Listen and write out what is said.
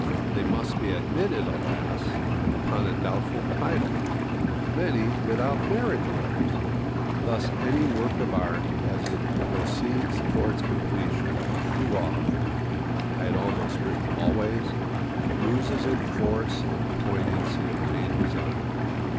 They must be admitted, alas! upon a doubtful title; many without marriage robes. Thus any work of art, as it proceeds towards completion, too often—I had almost written always—loses in force and poignancy of main design.